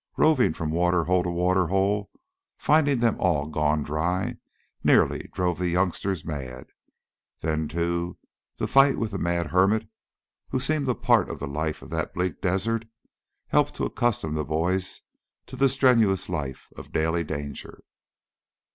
Roving from water hole to water hole, finding them all gone dry, nearly drove the youngsters mad. Then, too, the fight with the mad hermit, who seemed a part of the life of that bleak desert, helped to accustom the boys to the strenuous life of daily danger.